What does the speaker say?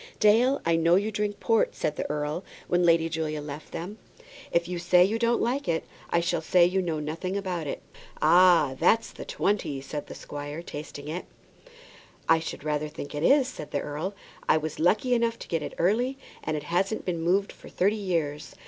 "Dale, I know you drink port," said the earl when Lady Julia left them. "If you say you don't like that, I shall say you know nothing about it." "Ah! that's the '20," said the squire, tasting it. "I should rather think it is," said the earl. "I was lucky enough to get it early, and it hasn't been moved for thirty years.